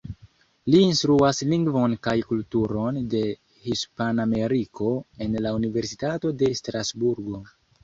Li instruas lingvon kaj kulturon de Hispanameriko en la Universitato de Strasburgo.